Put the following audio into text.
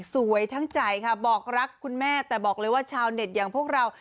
ทั้งใจค่ะบอกรักคุณแม่แต่บอกเลยว่าชาวเน็ตอย่างพวกเรา